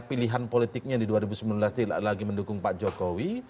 pilihan politiknya di dua ribu sembilan belas lagi mendukung pak jokowi